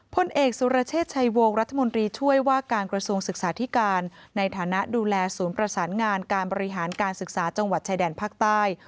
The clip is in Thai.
พลเอกสุรเชษชัยวงรัฐมนตรีช่วยว่าการกระทรวงศึกษาธิการในฐานะดูแลศูนย์ประสานงานการบริหารการศึกษาจังหวัดชายแดนภาคใต้